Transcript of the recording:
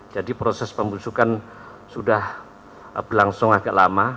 jadi proses pembusukan sudah berlangsung agak lama